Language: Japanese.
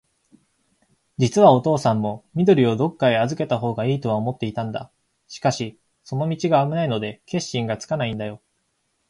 じつはおとうさんも、緑をどっかへあずけたほうがいいとは思っていたんだ。しかし、その道があぶないので、決心がつかないんだよ。